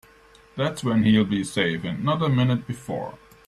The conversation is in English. That's when he'll be safe and not a minute before.